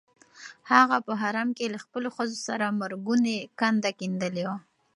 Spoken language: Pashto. هغه په حرم کې د خپلو ښځو لپاره مرګونې کنده کیندلې وه.